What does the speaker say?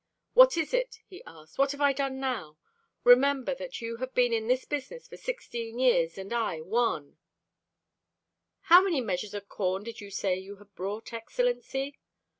"What is it?" he asked. "What have I done now? Remember that you have been in this business for sixteen years, and I one " "How many measures of corn did you say you had brought, Excellency?"